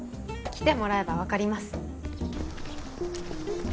来てもらえば分かります